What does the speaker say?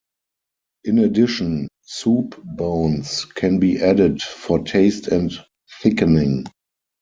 In addition, soup bones can be added for taste and thickening.